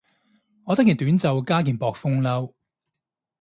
我得件短袖加件薄風褸